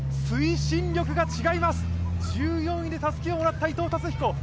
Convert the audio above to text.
推進力が違います、１４位でたすきをもらった伊藤達彦。